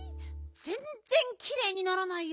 ぜんぜんきれいにならないや。